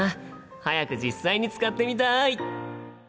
早く実際に使ってみたい！